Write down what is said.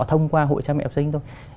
thông qua hội cha mẹ học sinh thôi